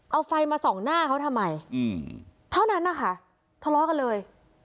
เอาไฟมาส่องหน้าเขาทำไมเท่านั้นนะคะทะเลาะกันเลย